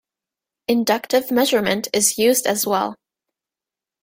Inductive measurement is used as well.